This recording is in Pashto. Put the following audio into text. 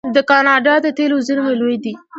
د کاناډا د تیلو زیرمې لویې دي.